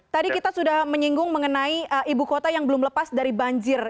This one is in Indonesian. tadi kita sudah menyinggung mengenai ibu kota yang belum lepas dari banjir